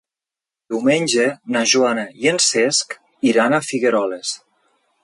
Diumenge na Joana i en Cesc iran a Figueroles.